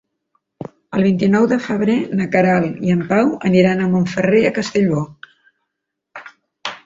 El vint-i-nou de febrer na Queralt i en Pau aniran a Montferrer i Castellbò.